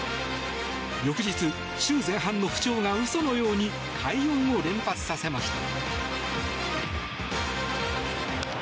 翌日、週前半の不調が嘘のように快音を連発させました。